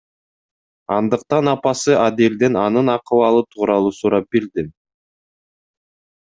Андыктан апасы Аделден анын акыбалы тууралуу сурап билдим.